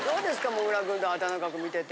もぐら君と畠中君見てて。